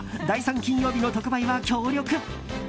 第３金曜日の特売は強力！